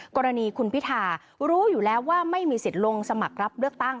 กรณีคุณพิธารู้อยู่แล้วว่าไม่มีสิทธิ์ลงสมัครรับเลือกตั้ง